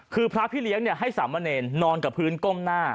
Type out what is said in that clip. คือพระพี่เลี้ยงให้สามเณรนอนกับพื้นก้มหน้า